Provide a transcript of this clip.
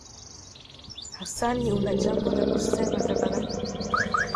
Hasani una jambo la kusema tafadhali